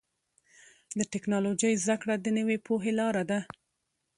د ټکنالوجۍ زدهکړه د نوې پوهې لاره ده.